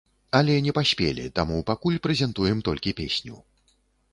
Але не паспелі, таму пакуль прэзентуем толькі песню.